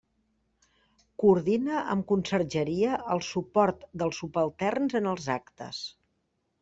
Coordina amb Consergeria el suport dels subalterns en els actes.